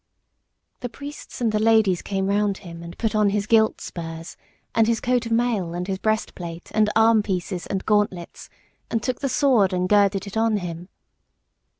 The priests and the ladies came round him and put on his gilt spurs, and his coat of mail, and his breastplate, and armpieces, and gauntlets, and took the sword and girded it on him.